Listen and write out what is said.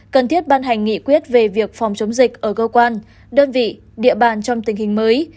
cần thiết ban hành nghị quyết về việc phòng chống dịch ở cơ quan đơn vị địa bàn trong tình hình mới